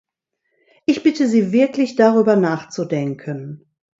Ich bitte Sie wirklich darüber nachzudenken.